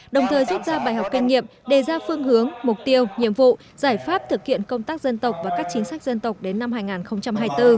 đồng thời rút ra bài học kinh nghiệm đề ra phương hướng mục tiêu nhiệm vụ giải pháp thực hiện công tác dân tộc và các chính sách dân tộc đến năm hai nghìn hai mươi bốn